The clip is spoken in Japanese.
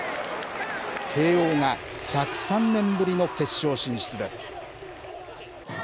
慶応が１０３年ぶりの決勝進出です。